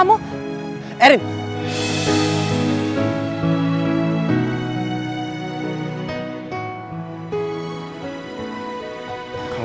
kamu cantik sekali